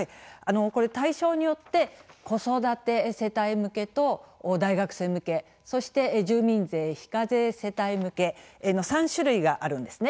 対象によって子育て世帯向けと大学生向けそして住民税非課税世帯向けの３種類があるんです。